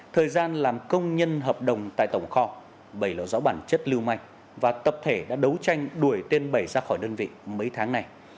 thời gian làm công nhân hợp đồng tại tổng kho bảy là rõ bản chất lưu manh và tập thể đã đấu tranh đuổi tên bảy ra khỏi đơn vị mấy tháng này